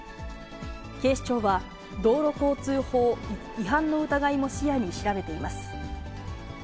警視庁は、道路交通法違反の疑いも視野に調べています。